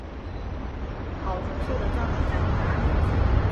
郝崇寿的葬礼在淮安举行。